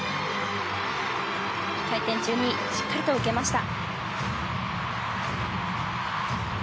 回転中にしっかりと受けました。